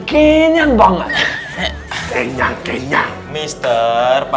hai yang sudah boleh kembali ke kamar ya